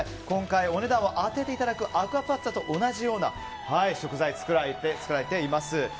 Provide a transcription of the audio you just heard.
今回お値段を当てていただくアクアパッツァと同じような食材で作られています。